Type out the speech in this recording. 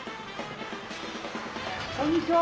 こんにちは！